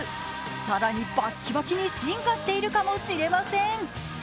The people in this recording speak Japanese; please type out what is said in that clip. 更にバッキバキに進化しているかもしれません。